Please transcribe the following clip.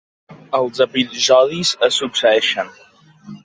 Els episodis es succeeixen.